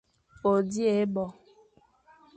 O dighé bo.